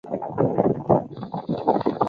本县县治为托灵顿。